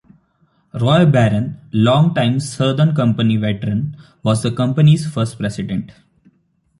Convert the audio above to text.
Roy Barron, long time Southern Company veteran, was the company's first president.